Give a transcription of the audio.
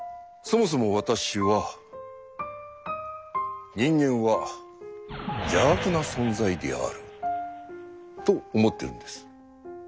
そもそも私は「人間は邪悪な存在である」と思ってるんです。